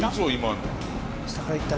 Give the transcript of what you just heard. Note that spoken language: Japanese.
下からいった？